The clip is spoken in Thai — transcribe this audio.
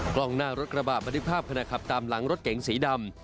กล้องหน้ารถกระบะบันทึกภาพขณะขับตามหลังรถเก๋งสีดำ